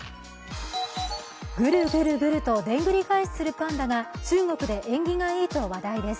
ぐるぐるぐるとでんぐり返しするパンダが中国で縁起がいいと話題です。